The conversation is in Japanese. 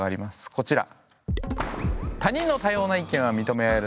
こちら。